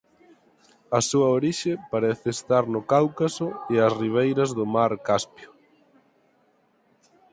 A súa orixe parece estar no Cáucaso e as ribeiras do mar Caspio.